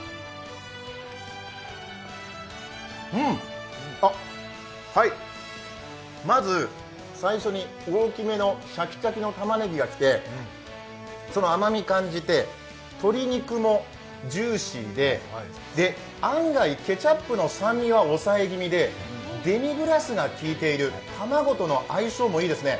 うん、あっ、はい、まず最初に大きめのシャキシャキのたまねぎがきてその甘み感じて鶏肉もジューシーでで、案外、ケチャップの酸味は抑え気味でデミグラスが効いている、卵との相性もいいですね。